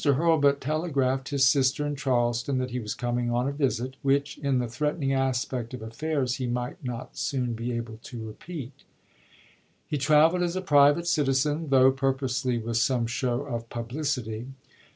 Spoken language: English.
Hurlbut telegraphed his sister in Charleston that he was coming on a visit, which, in the threatening aspect of affairs, he might not soon be able to repeat. He traveled as a private citizen, though purposely with some show of pub licity.